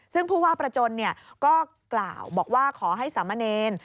ซึ่งผู้ว่าประจนก็กล่าวบอกว่าขอให้สามเณร